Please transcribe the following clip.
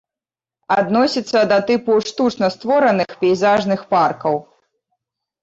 Адносіцца да тыпу штучна створаных пейзажных паркаў.